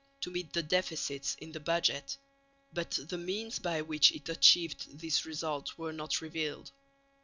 to meet the deficits in the budget, but the means by which it achieved this result were not revealed.